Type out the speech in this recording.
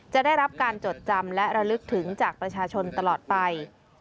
จะได้รับการจดจำและระลึกถึงจากประชาชนตลอดไป